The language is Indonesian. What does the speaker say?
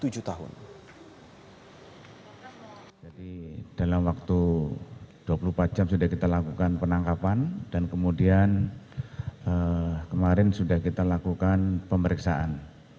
jadi dalam waktu dua puluh empat jam sudah kita lakukan penangkapan dan kemudian kemarin sudah kita lakukan pemeriksaan